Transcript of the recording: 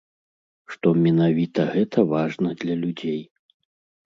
Што менавіта гэта важна для людзей.